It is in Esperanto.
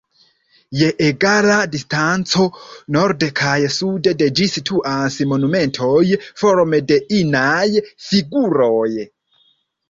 Je egala distanco norde kaj sude de ĝi situas monumentoj forme de inaj figuroj.